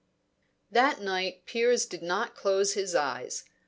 That night Piers did not close his eyes.